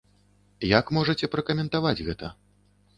Як можаце пракаментаваць гэта?